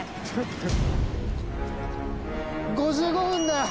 ５５分だ！